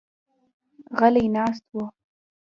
غلي ناست وو.